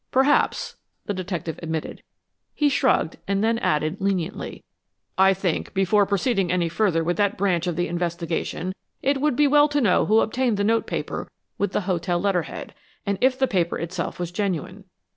"Perhaps," the detective admitted. He shrugged, then added leniently, "I think, before proceeding any further with that branch of the investigation, it would be well to know who obtained the notepaper with the hotel letterhead, and if the paper itself was genuine.